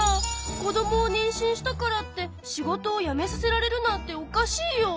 子どもを妊娠したからって仕事を辞めさせられるなんておかしいよ！